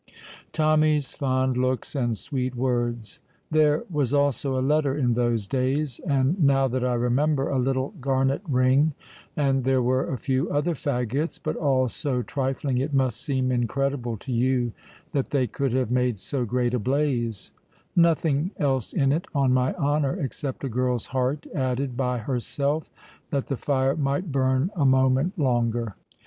Tommy's fond looks and sweet words! There was also a letter in those days, and, now that I remember, a little garnet ring; and there were a few other fagots, but all so trifling it must seem incredible to you that they could have made so great a blaze nothing else in it, on my honour, except a girl's heart added by herself that the fire might burn a moment longer.